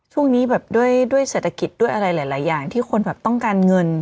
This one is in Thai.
ช่วงนี้แบบด้วยเศรษฐกิจด้วยอะไรหลายอย่างที่คนแบบต้องการเงิน